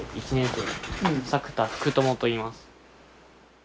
生作田福朋といいます。